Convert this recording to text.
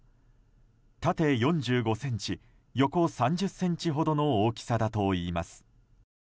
縦４５ｃｍ、横３０ｃｍほどの大きさだといいます。